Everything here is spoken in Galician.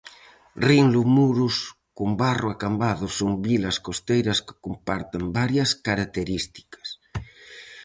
Rinlo, Muros, Combarro e Cambados son vilas costeiras que comparten varias características.